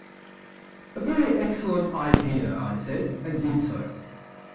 "A very excellent idea," I said, and did so.